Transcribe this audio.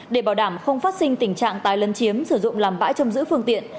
để bảo đảm không phát sinh tình trạng tai lân chiếm sử dụng làm bãi trong giữ phương tiện